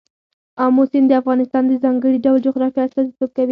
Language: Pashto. آمو سیند د افغانستان د ځانګړي ډول جغرافیه استازیتوب کوي.